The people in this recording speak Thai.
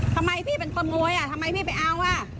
ทำไมพี่เป็นคนมวยอ่ะทำไมพี่ไปเอาอ่ะ